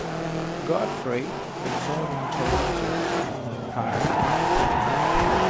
Godfrey was born in Toronto, Ontario.